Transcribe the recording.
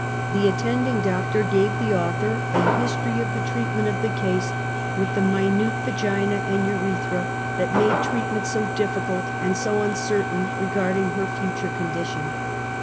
The attending doctor gave the author a history of the treatment of the case with SOCIAL EVIL. 89 the minute vagina and urethra that made treatment so difficult and so uncertain regarding her future con dition.